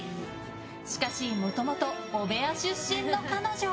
しかしもともと汚部屋出身の彼女。